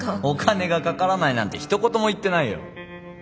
お金がかからないなんてひと言も言ってないよ？